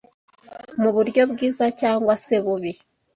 Mu buryo bwiza cyangwa se bubi